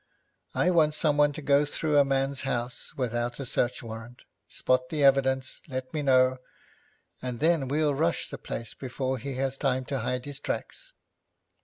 'I want someone to go through a man's house without a search warrant, spot the evidence, let me know, and then we'll rush the place before he has time to hide his tracks.'